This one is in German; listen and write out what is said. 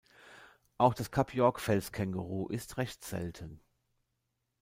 Auch das Kap-York-Felskänguru ist recht selten.